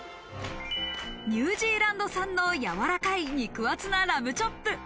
ニュージーランド産のやわらかい肉厚なラムチョップ。